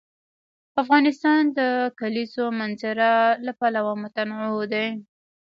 افغانستان د د کلیزو منظره له پلوه متنوع دی.